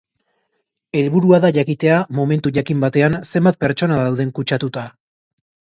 Helburua da jakitea momentu jakin batean zenbat pertsona dauden kutsatuta.